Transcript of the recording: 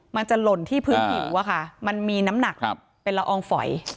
มันจะหล่นที่พื้นผิวอะค่ะมันมีน้ำหนักเป็นละอองฝอย